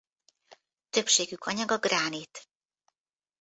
Többségük anyaga gránit.